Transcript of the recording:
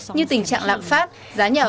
như tình trạng lạm phát giá nhỏ